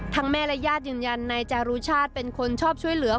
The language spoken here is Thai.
แม่และญาติยืนยันนายจารุชาติเป็นคนชอบช่วยเหลือ